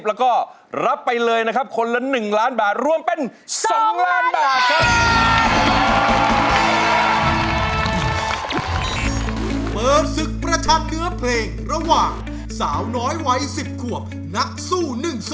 แล้วก็รับไปเลยนะครับคนละ๑ล้านบาทรวมเป็น๒ล้านบาทครับ